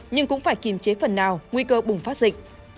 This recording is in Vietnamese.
nhưng cũng phải kiềm chế phần nào nguy cơ bùng phát dịch